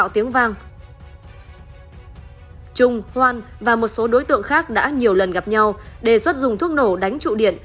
trung hoan và một số đối tượng khác đã nhiều lần gặp nhau đề xuất dùng thuốc nổ đánh trụ điện